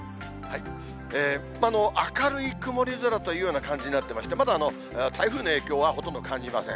明るい曇り空というような感じになってまして、まだ台風の影響はほとんど感じません。